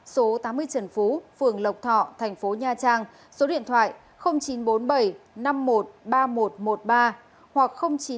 số tám mươi trần phú phường lộc thọ thành phố nha trang số điện thoại chín trăm bốn mươi bảy năm mươi một ba mươi một một mươi ba hoặc chín trăm ba mươi năm tám mươi sáu bảy mươi sáu bảy mươi sáu